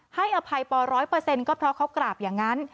ให้อภัยปอร์ร้อยเปอร์เซ็นต์ก็เพราะเขากราบอย่างนั้น